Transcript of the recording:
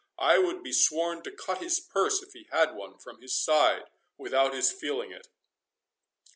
I would be sworn to cut his purse, if he had one, from his side, without his feeling it."